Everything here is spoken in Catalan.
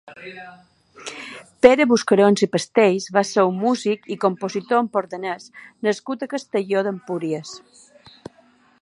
Pere Buscarons i Pastells va ser un músic i compositor empordanès nascut a Castelló d'Empúries.